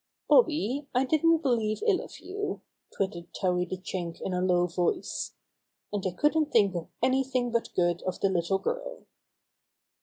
''Bobby, I didn't believe ill of you," twitted Towhee the Chewink in a low voice. "And I couldn't think of anything but good of the little girl."